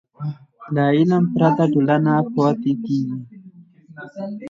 له علم پرته ټولنه تیاره پاتې کېږي.